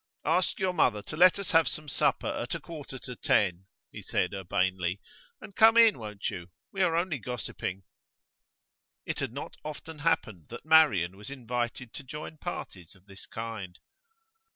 'Ask your mother to let us have some supper at a quarter to ten,' he said urbanely. 'And come in, won't you? We are only gossiping.' It had not often happened that Marian was invited to join parties of this kind.